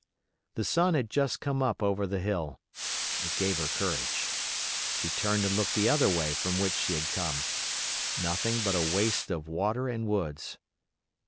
The sun had just come up over the hill. It gave her courage. She turned and looked the other way from which she had come—nothing but a waste of water and woods.